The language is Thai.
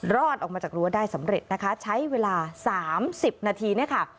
รอดออกมาจากรั้วได้สำเร็จใช้เวลา๓๐นาที